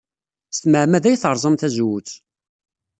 S tmeɛmada ay terẓam tazewwut.